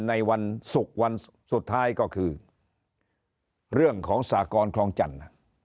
ในวันศุกร์วันสุดท้ายก็คือเรื่องของสากรคลองจันทร์